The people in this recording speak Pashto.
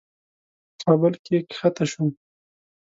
کابل کې کښته شوم.